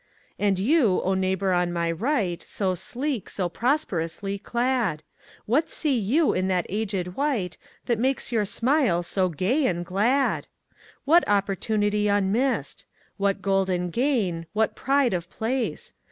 And you, O neighbour on my right So sleek, so prosperously clad! What see you in that aged wight That makes your smile so gay and glad? What opportunity unmissed? What golden gain, what pride of place?